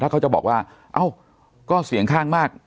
เขาจะบอกว่าเอ้าก็เสียงข้างมาก